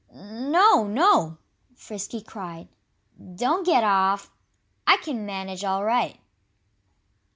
"No, no!" Frisky cried. "Don't get off! I can manage all right!"